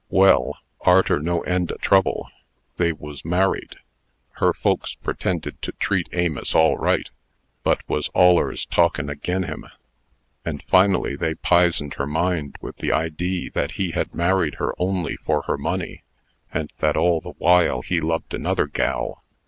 Well, arter no end o' trouble, they was married. Her folks pretended to treat Amos all right, but was allers talkin' agin him; and finally they pizened her mind with the idee that he had married her only for her money, and that all the while he loved another gal.